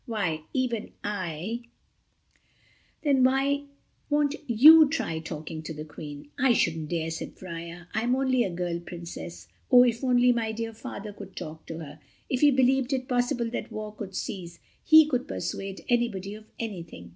Why, even I—" "Then why won't you try talking to the Queen?" "I shouldn't dare," said Freia. "I'm only a girl Princess. Oh, if only my dear Father could talk to her. If he believed it possible that war could cease ... he could persuade anybody of anything.